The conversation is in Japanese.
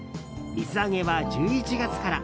水揚げは１１月から。